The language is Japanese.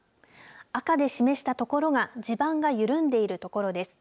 赤で示したところが地盤が緩んでいるところです。